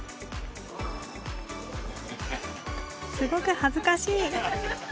すごく恥ずかしい。